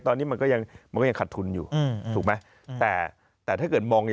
ตอนนี้มันก็ยังมันก็ยังขัดทุนอยู่ถูกไหมแต่แต่ถ้าเกิดมองใน